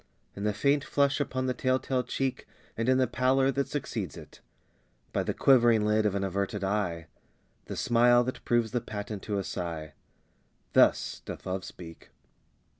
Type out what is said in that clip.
In the faint flush upon the tell tale cheek, And in the pallor that succeeds it; by The quivering lid of an averted eye The smile that proves the patent to a sigh Thus doth Love speak.